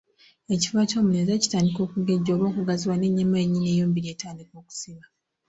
Ekifuba ky'omulenzi era kitandika okugejja oba okugaziwa n'ennyama yennyini ey'omubiri etandika okusiba.